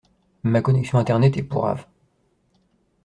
Ma connexion internet est pourrave.